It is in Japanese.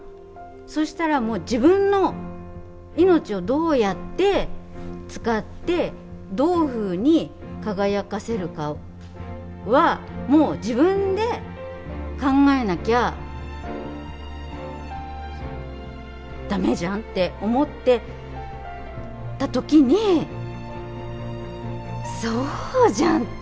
そしたらもう自分の命をどうやって使ってどういうふうに輝かせるかはもう自分で考えなきゃ駄目じゃんって思ってたときにそうじゃん！って。